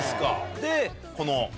でこの。